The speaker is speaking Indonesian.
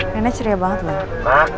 renek ceria banget pak